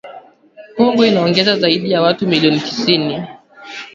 Kongo inaongeza zaidi ya watu milioni tisini